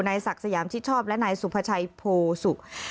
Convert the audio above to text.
ศักดิ์สยามชิดชอบและนายสุภาชัยโพสุ